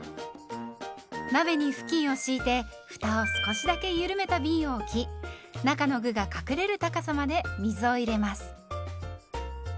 鍋に布巾を敷いてふたを少しだけゆるめたびんを置き中の具が隠れる高さまで水を入れます。